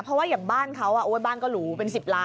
เพราะว่าอย่างบ้านเขาบ้านก็หรูเป็น๑๐ล้าน